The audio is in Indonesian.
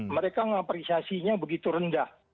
mereka mengapresiasinya begitu rendah